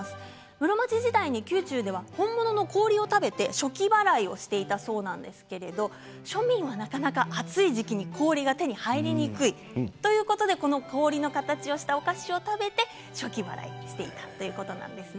室町時代に宮中では本物の氷を食べて暑気払いをしていたそうなんですけれど庶民は、なかなか暑い時期に氷が手に入りにくいということでこの氷の形をしたお菓子を食べて暑気払いをしていたということなんです。